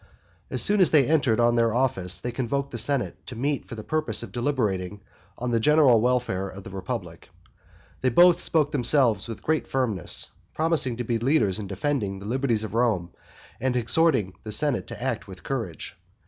As soon as they had entered on their office, they convoked the senate to meet for the purpose of deliberating on the general welfare of the republic. They both spoke themselves with great firmness, promising to be the leaders in defending the liberties of Rome, and exhorting the senate to act with courage.